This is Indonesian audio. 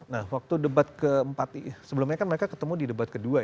nah waktu debat keempat sebelumnya kan mereka ketemu di debat kedua